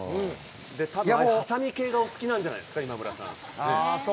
多分、ハサミ系がお好きなんじゃないですか、今村さん。